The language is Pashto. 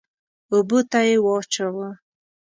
اوبو ته يې واچوه.